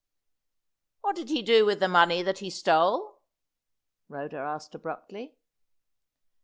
"What did he do with the money that he stole?" Rhoda asked abruptly.